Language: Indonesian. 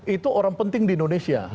itu orang penting di indonesia